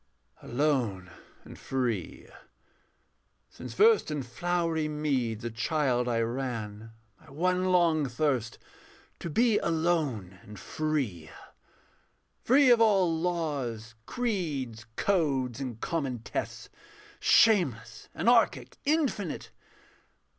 Alone and free. Since first in flowery meads a child I ran, My one long thirst to be alone and free. Free of all laws, creeds, codes, and common tests, Shameless, anarchic, infinite.